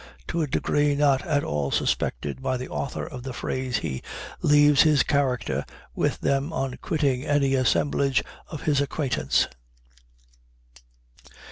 To a degree not at all suspected by the author of the phrase, he "leaves his character" with them on quitting any assemblage of his acquaintance.